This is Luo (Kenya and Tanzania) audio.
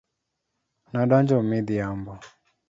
Na donjo midhiambo.